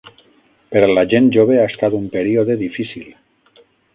Per a la gent jove ha estat un període difícil.